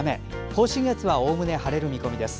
甲信越はおおむね晴れる見込みです。